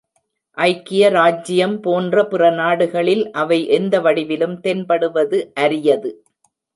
ஐக்கிய ராஜ்ஜியம் போன்ற பிற நாடுகளில், அவை எந்த வடிவிலும் தென்படுவது அரியது.